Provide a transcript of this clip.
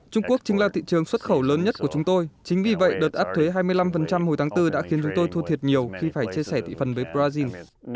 trung quốc chính là thị trường xuất khẩu lớn nhất của chúng tôi chính vì vậy đợt áp thuế hai mươi năm hồi tháng bốn đã khiến chúng tôi thua thiệt nhiều khi phải chia sẻ thị phần với brazil